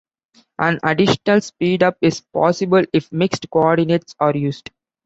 An additional speed-up is possible if mixed coordinates are used.